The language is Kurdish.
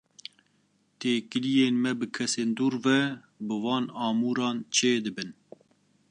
Têkiliyên me bi kesên dûr re, bi van amûran çêdibin.